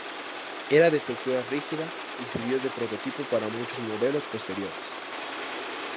Era de estructura rígida y sirvió de prototipo para muchos modelos posteriores.